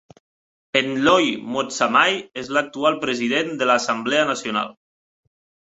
Ntlhoi Motsamai és l'actual president de l'Assemblea Nacional.